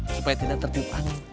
supaya tidak tertiup angin